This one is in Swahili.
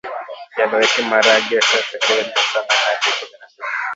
Yaloweke maharagekwa takriban masaa nane hadi kumi na mbili